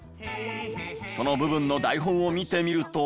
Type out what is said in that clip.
その部分の台本を見てみると。